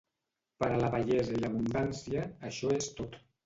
Per a la bellesa i l'abundància, això és tot.